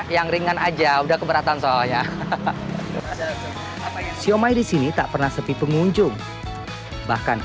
yang ringan aja udah keberatan soalnya siomay disini tak pernah sepi pengunjung bahkan